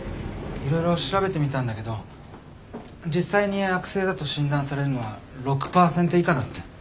色々調べてみたんだけど実際に悪性だと診断されるのは６％以下だって。